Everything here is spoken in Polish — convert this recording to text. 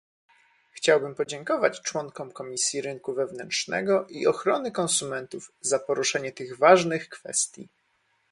Chciałbym podziękować członkom Komisji Rynku Wewnętrznego i Ochrony Konsumentów za poruszenie tych ważnych kwestii